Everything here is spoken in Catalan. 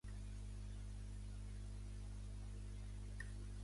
Ara és un prat cobert d'herbes que resulta popular amb per als observadors d'aus.